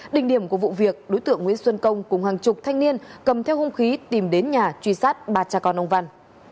đỉnh điểm của vụ việc đối tượng nguyễn xuân công cùng hàng chục thanh niên cầm theo hung khí tìm đến nhà truy sát ba cha con ông văn